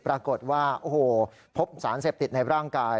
ปรากฏว่าโอ้โหพบสารเสพติดในร่างกาย